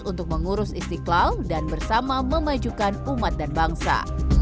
untuk mengurus istiqlal dan bersama memajukan umat dan bangsa